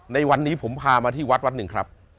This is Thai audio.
ในวันนี้ผมพามาที่วัดวัดหนึ่งครับ